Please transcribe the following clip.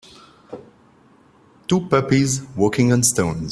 Two puppies walking on stones.